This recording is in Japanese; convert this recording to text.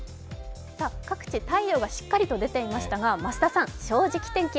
各地、太陽がしっかり出ていますか、増田さん、「正直天気」